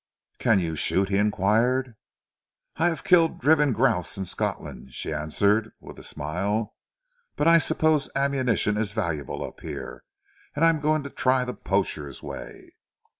"Can you shoot?" he inquired. "I have killed driven grouse in Scotland," she answered with a smile. "But I suppose ammunition is valuable up here, and I'm going to try the poacher's way."